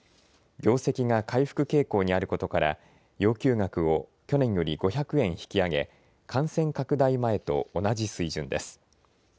業績が回復傾向にあることから、要求額を去年より５００円引き上げ、感染拡大前と同じ水準です。